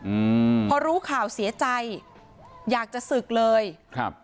อืมพอรู้ข่าวเสียใจอยากจะศึกเลยครับ